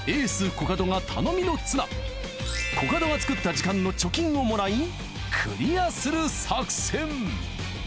コカドが作った時間の貯金をもらいクリアする作戦！